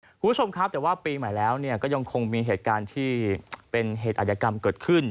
คุณผู้ชมครับแต่ว่าปีใหม่แล้วก็ยังคงมีเหตุการณ์ที่เป็นเหตุอาจยกรรมเกิดขึ้น